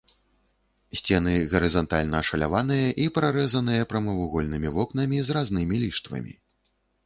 Сцены гарызантальна ашаляваныя і прарэзаныя прамавугольнымі вокнамі з разнымі ліштвамі.